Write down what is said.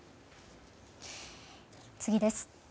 次です。